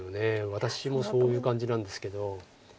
私もそういう感じなんですけど。